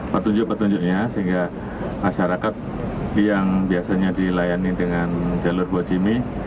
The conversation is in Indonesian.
petunjuk petunjuknya sehingga masyarakat yang biasanya dilayani dengan jalur bojimi